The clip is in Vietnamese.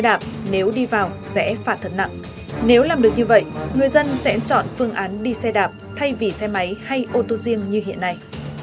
xe đạp nếu đi vào sẽ phạt thật nặng nếu làm được như vậy người dân sẽ chọn phương án đi xe đạp thay vì xe máy hay ô tô riêng như hiện nay